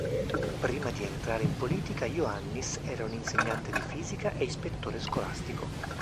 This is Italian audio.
Prima di entrare in politica Iohannis era un insegnante di fisica e ispettore scolastico.